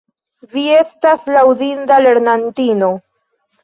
Vi estas laŭdinda lernantino!